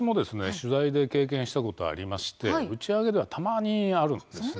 取材で経験したことありまして打ち上げでは、たまにあるんです。